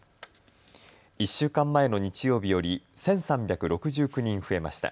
１週間前の日曜日より１３６９人増えました。